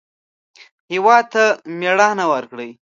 هېواد ته مېړانه ورکړئ